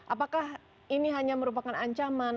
apakah ini hanya merupakan ancaman